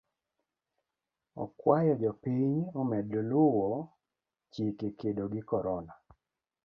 Okuayo jopiny omed luo chike kedo gi korona.